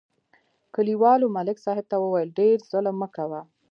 کلیوالو ملک صاحب ته وویل: ډېر ظلم مه کوه